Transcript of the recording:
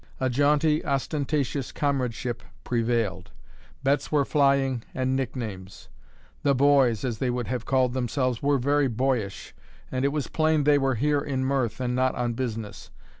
A jaunty, ostentatious comradeship prevailed. Bets were flying, and nicknames. "The boys" (as they would have called themselves) were very boyish; and it was plain they were here in mirth, and not on business.